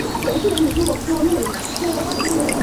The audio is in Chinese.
嘉庆四年出督福建学政。